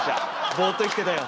ボーっと生きてたよ。